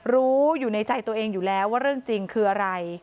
รู้อยู่ในใจตัวเองอยู่แล้วว่าเรื่องจริงคืออะไร